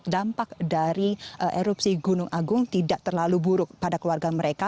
dampak dari erupsi gunung agung tidak terlalu buruk pada keluarga mereka